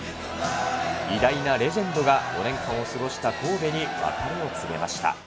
偉大なレジェンドが５年間を過ごした神戸に別れを告げました。